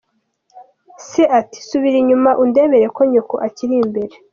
Se, ati “Subira inyuma undebere ko nyoko akiri imbere”.